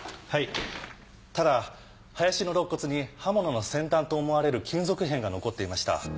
はいただ林の肋骨に刃物の先端と思われる金属片が残っていました。